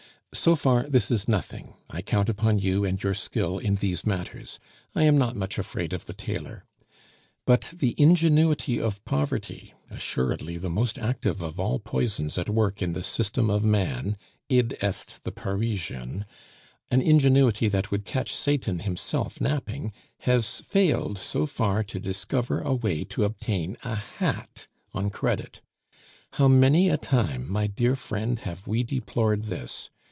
So far this is nothing; I count upon you and your skill in these matters; I am not much afraid of the tailor. But the ingenuity of poverty, assuredly the most active of all poisons at work in the system of man (id est the Parisian), an ingenuity that would catch Satan himself napping, has failed so far to discover a way to obtain a hat on credit! How many a time, my dear friend, have we deplored this!